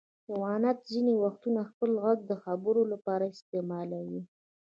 حیوانات ځینې وختونه خپل غږ د خبرو لپاره استعمالوي.